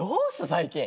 最近。